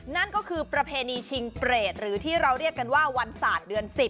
นั่นก็คือประเพณีชิงเปรตหรือที่เราเรียกกันว่าวันศาสตร์เดือน๑๐